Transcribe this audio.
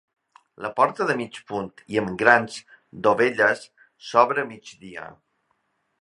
La porta de mig punt i amb grans dovelles s'obre a migdia.